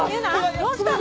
どうしたの？